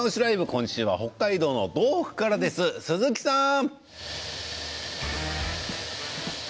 今週は北海道の道北からです鈴木さん！